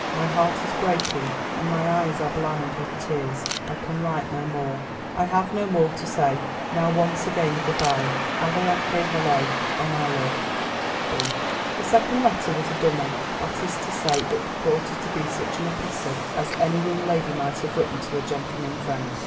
My heart is breaking and my eyes are blind with tears; I can write no more; I have no more to say. Now once again good bye. Ave atque vale—oh, my love!—B." The second letter was a dummy. That is to say it purported to be such an epistle as any young lady might have written to a gentleman friend.